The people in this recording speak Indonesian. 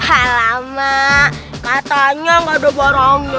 alamak katanya gak ada barangnya